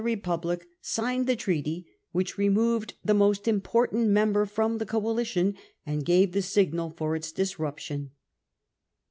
Republic signed the treaty which removed the most important member from the coalition, and gave the signal for its disruption.